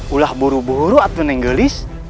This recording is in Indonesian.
ulah buru buru atau nenggelis